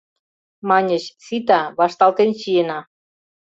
Маньыч: «Сита, вашталтен чиена.